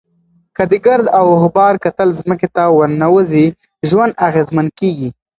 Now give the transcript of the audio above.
که د ګرد او غبار کتل ځمکې ته ورننوزي، ژوند اغېزمن کېږي.